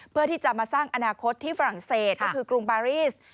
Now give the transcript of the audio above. เพื่อที่จะมาสร้างอนาคตที่ฝรั่งเศสก็คือกรุงปารีส